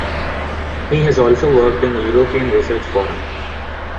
He has also worked in the European Research Forum.